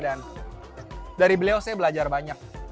dan dari beliau saya belajar banyak